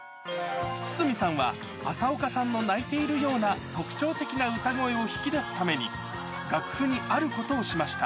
筒美さんは、麻丘さんの泣いているような特徴的な歌声を引き出すために、楽譜にあることをしました。